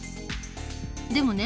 でもね